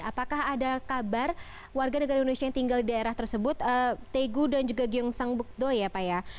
apakah ada kabar warga negara indonesia yang tinggal di daerah tersebut taegu dan juga gyeongsangbukdo ya pak ya